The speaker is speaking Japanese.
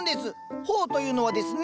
苞というのはですね。